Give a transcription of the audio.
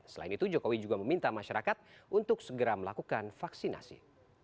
selain itu jokowi juga meminta masyarakat untuk segera melakukan vaksinasi